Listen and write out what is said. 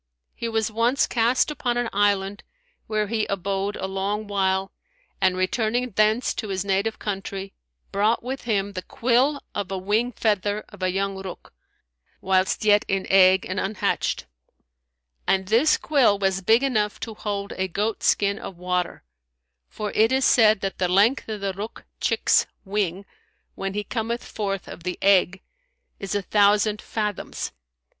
He was once cast upon an island, where he abode a long while and, returning thence to his native country, brought with him the quill of a wing feather of a young Rukh, whilst yet in egg and unhatched; and this quill was big enough to hold a goat skin of water, for it is said that the length of the Rukh chick's wing, when he cometh forth of the egg, is a thousand fathoms.